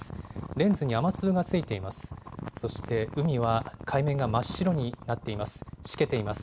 レンズに雨粒がついています。